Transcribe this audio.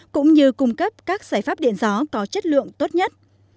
cũng như cung cấp các giải pháp điện gió có chất lượng tốt nhất